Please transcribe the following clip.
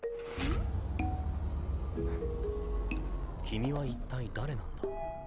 君は一体誰なんだ？